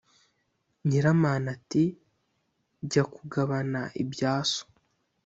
nyiramana ati: “jya kugabana ibya so